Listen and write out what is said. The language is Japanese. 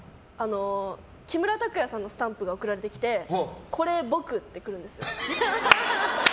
木村拓哉さんのスタンプが送られてきて「これ僕」って来るんです。